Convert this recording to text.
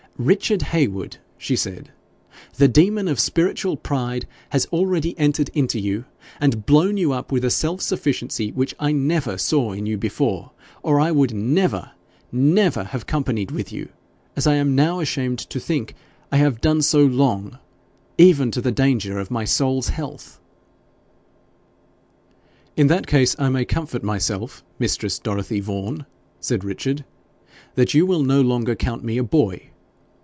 'Richard Heywood,' she said, 'the demon of spiritual pride has already entered into you, and blown you up with a self sufficiency which I never saw in you before, or I would never, never have companied with you, as I am now ashamed to think I have done so long, even to the danger of my soul's health.' 'In that case I may comfort myself, mistress Dorothy Vaughan,' said Richard, 'that you will no longer count me a boy!